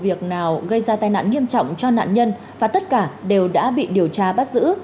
việc nào gây ra tai nạn nghiêm trọng cho nạn nhân và tất cả đều đã bị điều tra bắt giữ